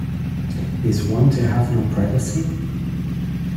Is one to have no privacy?